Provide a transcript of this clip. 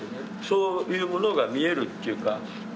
そういうものが見えるというか。